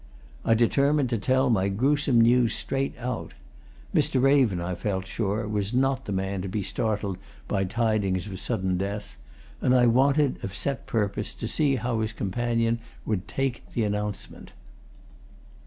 I determined to tell my gruesome news straight out Mr. Raven, I felt sure, was not the man to be startled by tidings of sudden death, and I wanted, of set purpose, to see how his companion would take the announcement.